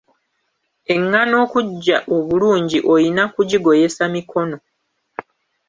Engano okujja obulungi oyina kugigoyesa mikono.